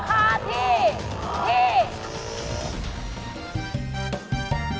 ๖๙เบอร์ครับ๖๙เบอร์ครับ